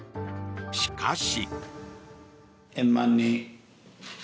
しかし。